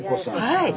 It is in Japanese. はい。